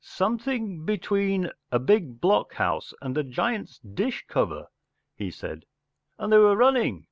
“ Something between a big blockhouse and a giant's dish cover,” he said* “ And they were running